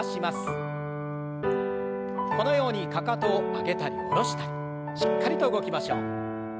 このようにかかとを上げたり下ろしたりしっかりと動きましょう。